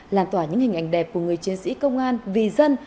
làn tỏa những hình ảnh đẹp của người chiến sĩ công an vì dân